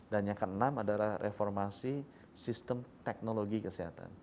yang keenam adalah reformasi sistem teknologi kesehatan